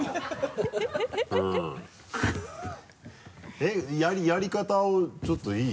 えっやり方をちょっといい？